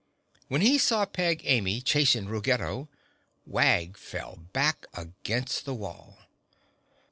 When he saw Peg Amy chasing Ruggedo, Wag fell back against the wall.